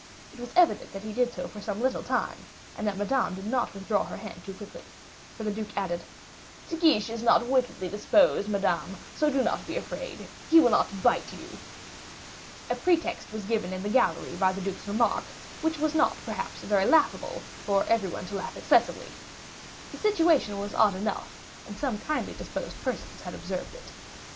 It was evident that he did so for some little time, and that Madame did not withdraw her hand too quickly, for the duke added: "De Guiche is not wickedly disposed, Madame; so do not be afraid, he will not bite you." A pretext was given in the gallery by the duke's remark, which was not, perhaps, very laughable, for every one to laugh excessively. The situation was odd enough, and some kindly disposed persons had observed it.